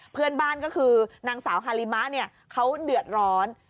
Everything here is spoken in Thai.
เพื่อนบ้านก็คือนางสาวฮาริมะเนี่ยเขาเดือดร้อน